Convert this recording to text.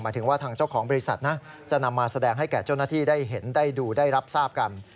ถึงว่าทางเจ้าของบริษัทนะจะนำมาแสดงให้แก่เจ้าหน้าที่ได้เห็นได้ดูได้รับทราบกัน